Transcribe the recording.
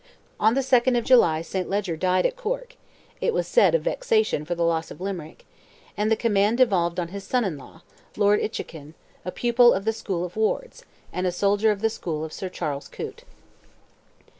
On the 2nd of July St. Leger died at Cork (it was said of vexation for the loss of Limerick), and the command devolved on his son in law, Lord Inchiquin, a pupil of the school of Wards, and a soldier of the school of Sir Charles Coote.